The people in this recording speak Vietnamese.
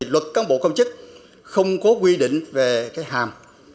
luật cán bộ công chức không có quy định về hàm